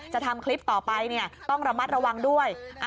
ทำคลิปต่อไปต้องระมัดระวังด้วย